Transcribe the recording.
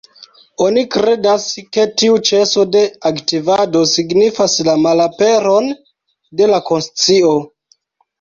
Oni kredas, ke tiu ĉeso de aktivado signifas la malaperon de la konscio.